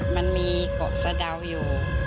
มันมีเกาะสะดาวอยู่